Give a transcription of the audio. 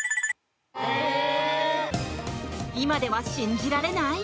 今では信じられない？